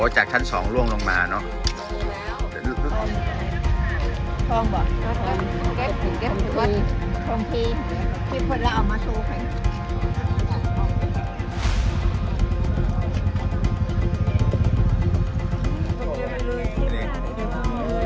อ๋อจากชั้นสองล่วงลงมาเนอะ